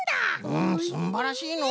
うんすんばらしいのう！